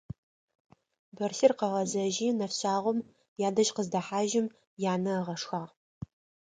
Бэрсис къыгъэзэжьи, нэфшъагъом ядэжь къыздэхьажьым янэ ыгъэшхагъ.